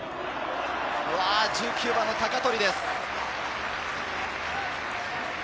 １９番の鷹取です。